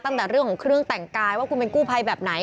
ตั้งแต่เรื่องของเครื่องแต่งกายว่าคุณเป็นกู้ภัยแบบไหน